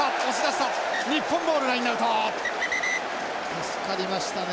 助かりましたね